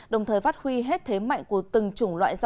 đồng thời phát huy hết thế mạnh của từng chủng loại rau quả